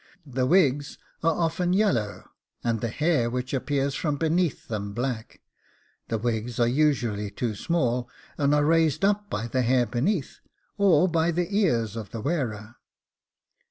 The wigs are often yellow, and the hair which appears from beneath them black; the wigs are usually too small, and are raised up by the hair beneath, or by the ears of the wearers.